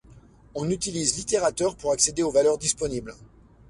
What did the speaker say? On utilise l'iterateur pour accéder aux valeurs disponibles.